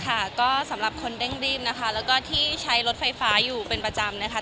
ค่ะก็สำหรับคนเร่งรีบนะคะแล้วก็ที่ใช้รถไฟฟ้าอยู่เป็นประจำนะคะ